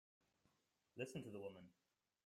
Listen to the woman!